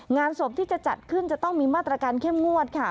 งานศพที่จะจัดขึ้นจะต้องมีมาตรการเข้มงวดค่ะ